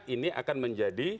ini akan menjadi